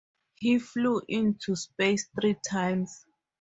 He flew into space three times.